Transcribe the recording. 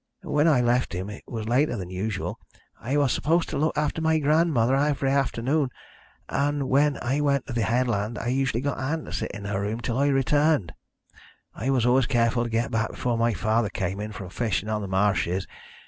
"When I left him it was later than usual. I was supposed to look after my grandmother every afternoon, and when I went to the headland I usually got Ann to sit in her room until I returned. I was always careful to get back before my father came in from fishing on the marshes.